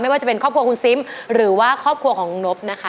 ว่าจะเป็นครอบครัวคุณซิมหรือว่าครอบครัวของลุงนบนะคะ